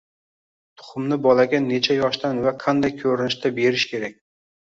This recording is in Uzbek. Tuxumni bolaga necha yoshdan va qanday ko‘rinishda berish kerak?